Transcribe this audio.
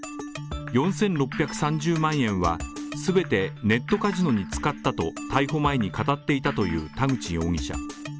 ４６３０万円は全てネットカジノに使ったと逮捕前に語っていたという田口容疑者。